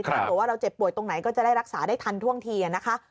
แต่หรือว่าเราเจ็บป่วยตรงไหนก็จะได้รักษาได้ทันท่วงที